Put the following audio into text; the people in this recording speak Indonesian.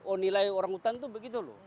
oh nilai orang hutan itu begitu loh